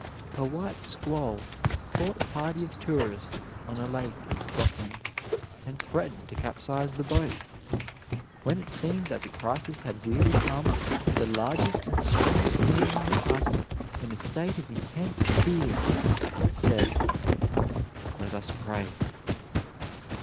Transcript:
A white squall caught a party of tourists on a lake in Scotland, and threatened to capsize the boat. When it seemed that the crisis had really come, the largest and strongest man in the party, in a state of intense fear, said, "Let us pray."